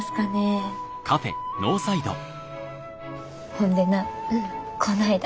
ほんでなこないだ